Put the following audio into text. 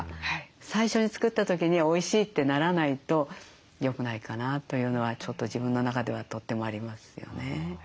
最初に作った時においしいってならないとよくないかなというのはちょっと自分の中ではとってもありますよね。